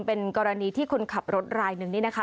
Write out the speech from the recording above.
เป็นกรณีที่คนขับรถรายหนึ่งนี่นะคะ